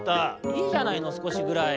「いいじゃないのすこしぐらい」。